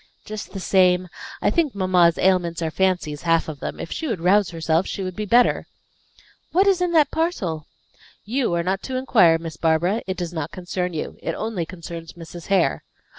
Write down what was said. "Just the same. I think mamma's ailments are fancies, half of them; if she would rouse herself she would be better. What is in that parcel?" "You are not to inquire, Miss Barbara. It does not concern you. It only concerns Mrs. Hare."